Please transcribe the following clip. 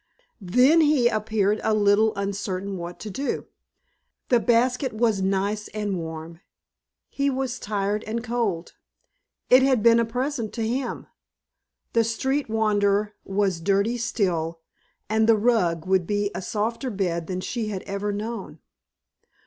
Then he appeared a little uncertain what to do. The basket was nice and warm; he was tired and cold; it had been a present to him; the street wanderer was dirty still; and the rug would be a softer bed than she had ever known.